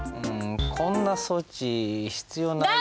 こんな装置必要ないような。